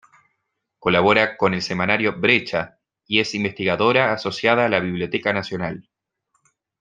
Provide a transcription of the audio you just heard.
Colabora con el semanario "Brecha" y es investigadora asociada a la Biblioteca Nacional.